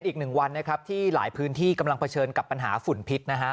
อีกหนึ่งวันนะครับที่หลายพื้นที่กำลังเผชิญกับปัญหาฝุ่นพิษนะฮะ